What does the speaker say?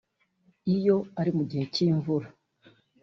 iyo ari mu gihe cy’imvura